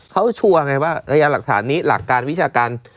เขาชัวร์ไงว่าพยานหลักฐานนี้หลักการวิชาการ